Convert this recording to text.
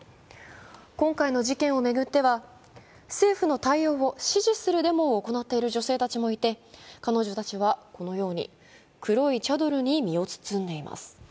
今回の事件を巡っては、政府の対応を支持するデモを行っている女性たちもいて、彼女たちはこのように黒いチャドルに身を包んでいます。